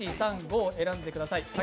１、３、５を選んでください。